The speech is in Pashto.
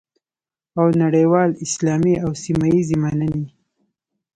او نړیوالې، اسلامي او سیمه ییزې مننې